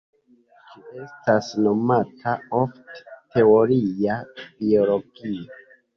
Ĝi estas nomata ofte "Teoria biologio".